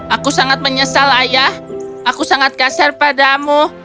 aku sangat menyesal ayah aku sangat kasar padamu